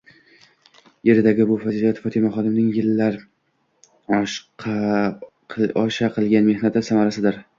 Eridagi bu fazilat Fotimaxonimning yillar oshaqilgan mexnati samarasidir